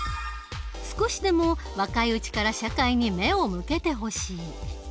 少しでも若いうちから社会に目を向けてほしい。